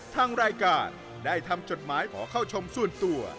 ทางรายการได้ทำจดหมายขอเข้าชมส่วนตัว